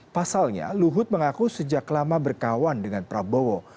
pasalnya luhut mengaku sejak lama berkawan dengan prabowo